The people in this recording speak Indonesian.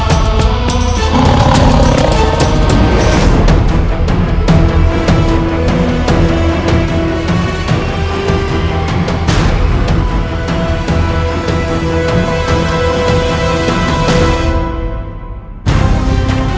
aduh aku harus mengejar maesah